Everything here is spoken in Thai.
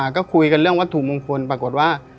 ก็คุยกันเรื่องวัตถุมงคลปรากฏว่า